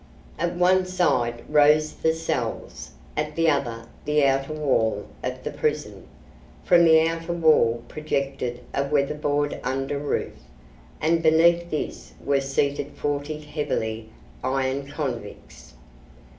At one side rose the cells, at the other the outer wall of the prison. From the outer wall projected a weatherboard under roof, and beneath this were seated forty heavily ironed convicts.